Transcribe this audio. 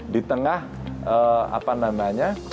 di tengah apa namanya